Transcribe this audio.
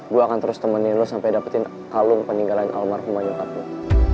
gue akan terus temenin lo sampai dapetin kalung peninggalan almarhum banyak banyak